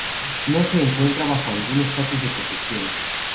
No se encuentra bajo algún estatus de protección.